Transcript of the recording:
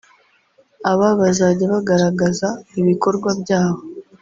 aho bazajya bagaragaza ibikorwa byabo